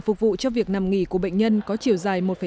phục vụ cho việc nằm nghỉ của bệnh nhân có chiều dài